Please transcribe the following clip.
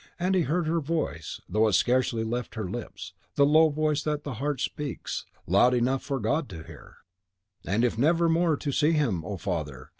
And he heard her voice, though it scarcely left her lips: the low voice that the heart speaks, loud enough for God to hear! "And if never more to see him, O Father!